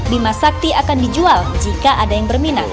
bima sakti akan dijual jika ada yang berminat